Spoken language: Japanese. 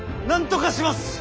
なんとかします！